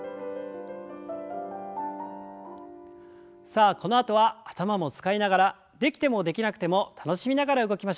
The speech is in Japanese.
さあこのあとは頭も使いながらできてもできなくても楽しみながら動きましょう。